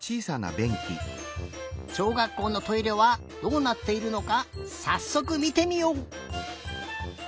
しょうがっこうのトイレはどうなっているのかさっそくみてみよう！